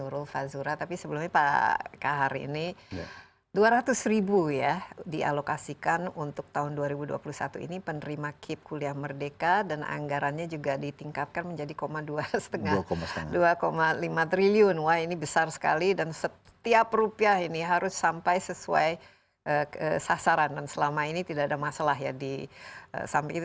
rp dua lima triliun wah ini besar sekali dan setiap rupiah ini harus sampai sesuai sasaran dan selama ini tidak ada masalah ya di samping itu